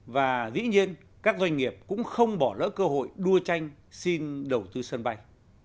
và dĩ nhiên các doanh nghiệp cũng không bỏ lỡ cơ hội đua tranh xin đầu tư sân bay